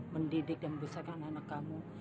mendidik dan membesarkan anak kamu